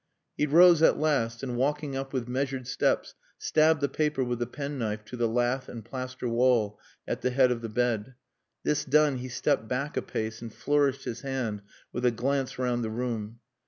He rose at last, and walking up with measured steps stabbed the paper with the penknife to the lath and plaster wall at the head of the bed. This done he stepped back a pace and flourished his hand with a glance round the room.